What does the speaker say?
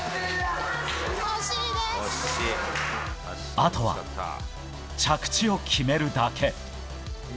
あとは着地を決めるだけ。